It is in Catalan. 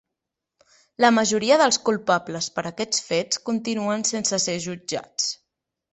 La majoria dels culpables per aquests fets continuen sense ser jutjats.